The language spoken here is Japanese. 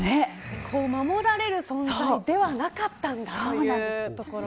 守られる存在ではなかったんだというところ。